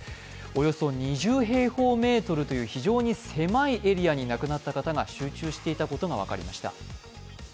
およそ２０平方メートルという非常に狭いエリアに亡くなった方が集中していたことが分かりました。